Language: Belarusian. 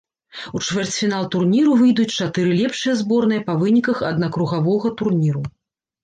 У чвэрцьфінал турніру выйдуць чатыры лепшыя зборныя па выніках аднакругавога турніру.